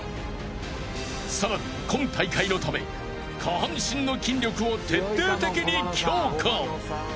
さらに今大会のため下半身の筋力を徹底的に強化。